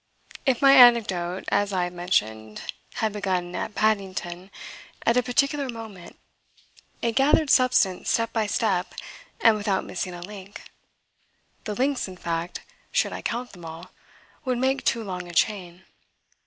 If my anecdote, as I have mentioned, had begun, at Paddington, at a particular moment, it gathered substance step by step and without missing a link. The links, in fact, should I count them all, would make too long a chain.